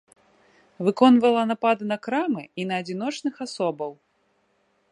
Выконвала напады на крамы і на адзіночных асобаў.